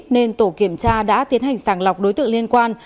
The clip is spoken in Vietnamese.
nên tổ kiểm tra đã tiến hành sàng lọc đối tượng liên quan